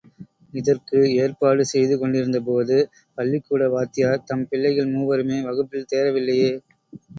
இதற்கு ஏற்பாடு செய்து கொண்டிருந்தபோது, பள்ளிக்கூட வாத்தியார் தம் பிள்ளைகள் மூவருமே வகுப்பில் தேறவில்லையே.